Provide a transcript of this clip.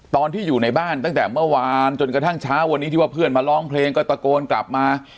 ตอนที่อยู่ในบ้านตั้งแต่เมื่อวานจนกระทั่งเช้าวันนี้ที่ว่าเพื่อนมาร้องเพลงก็ตะโกนกลับมา